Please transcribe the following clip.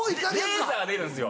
レーザー出るんですよ。